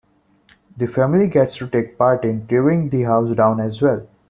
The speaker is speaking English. The family gets to take part in tearing the house down as well.